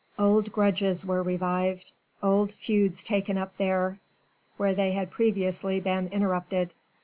Old grudges were revived, old feuds taken up there, where they had previously been interrupted.